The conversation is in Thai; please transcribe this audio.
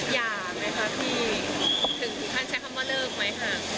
อย่าไหมคะพี่ถึงพูดข้างใช้คำว่าเลิกไหมคะ